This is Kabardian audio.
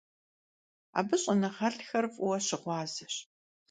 Абы щӏэныгъэлӏхэр фӀыуэ щыгъуазэщ.